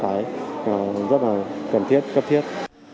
thì rất là cần thiết cấp thiết